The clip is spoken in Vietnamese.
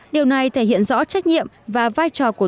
điều này thể hiện rõ trách nhiệm và vai trò của tổ chức